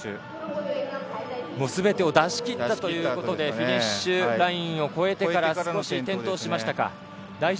全てを出しきったということでフィニッシュラインを越えてから少し転倒しましたか。